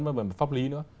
và về pháp lý nữa